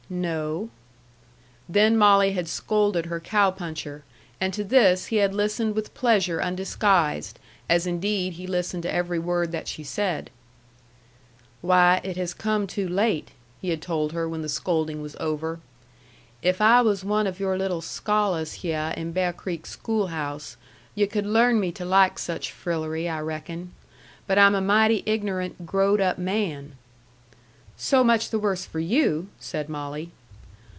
"No." Then Molly had scolded her cow puncher, and to this he had listened with pleasure undisguised, as indeed he listened to every word that she said. "Why, it has come too late," he had told her when the scolding was over. "If I was one of your little scholars hyeh in Bear Creek schoolhouse, yu' could learn me to like such frillery I reckon. But I'm a mighty ignorant, growed up man." "So much the worse for you!" said Molly.